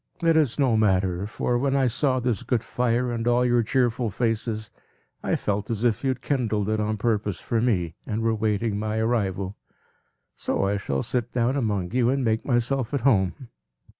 It is no matter; for, when I saw this good fire, and all your cheerful faces, I felt as if you had kindled it on purpose for me, and were waiting my arrival. So I shall sit down among you, and make myself at home."